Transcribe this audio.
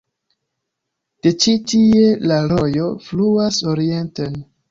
De ĉi tie la rojo fluas orienten.